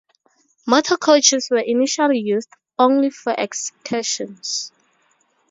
Motor coaches were initially used only for excursions.